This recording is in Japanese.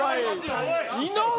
井上！